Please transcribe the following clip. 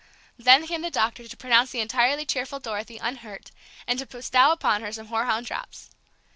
Then came the doctor, to pronounce the entirely cheerful Dorothy unhurt, and to bestow upon her some hoarhound drops.